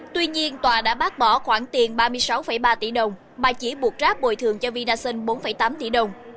tuy nhiên tòa đã bác bỏ khoảng tiền ba mươi sáu ba tỷ đồng mà chỉ buộc grab bồi thường cho vinason bốn tám tỷ đồng